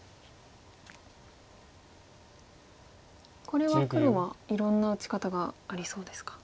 これは黒はいろんな打ち方がありそうですか。